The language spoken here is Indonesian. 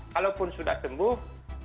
kalaupun sudah sembuh